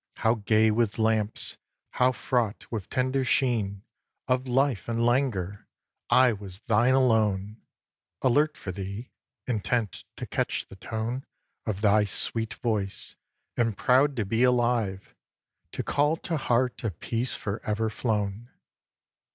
How gay with lamps! How fraught with tender sheen Of life and languor! I was thine alone: Alert for thee, intent to catch the tone Of thy sweet voice, and proud to be alive To call to heart a peace for ever flown.